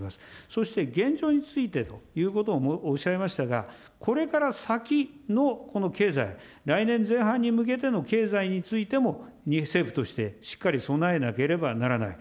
そして、現状についてということをおっしゃいましたが、これから先のこの経済、来年前半に向けての経済についても、政府としてしっかり備えなければならない。